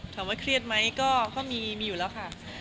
ถามว่าเครียดมั้ยก็มีอยู่แล้วค่ะแต่ก็